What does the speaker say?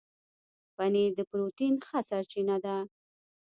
پنېر د پروټين ښه سرچینه ده.